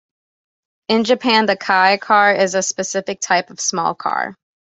In Japan, the "kei" car is a specific type of small car.